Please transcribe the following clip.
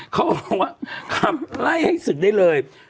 ครับไล่ให้สึกได้เลย